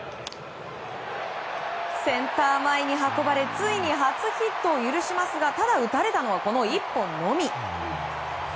センター前に運ばれついに初ヒットを許しますがただ、打たれたのはこの１本のみ。